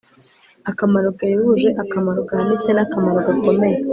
akamaro gahebuje, akamaro gahanitse n'akamaro gakomeye